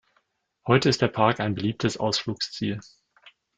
Heute ist der Park ein beliebtes Ausflugsziel.